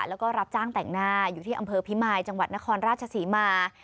แล้วก็รับจ้างแต่งหน้าอยู่ที่อำเภอพิมายจังหวัดนครราชศรีมา